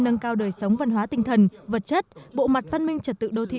nâng cao đời sống văn hóa tinh thần vật chất bộ mặt văn minh trật tự